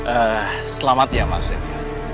eh selamat ya mas setia